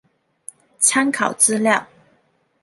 参考资料